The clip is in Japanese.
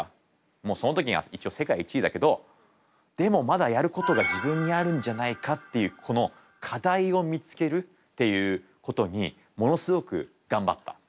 もうその時には一応世界１位だけどでもまだやることが自分にあるんじゃないかっていうこの課題を見つけるっていうことにものすごく頑張った。